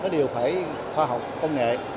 đều phải khoa học công nghệ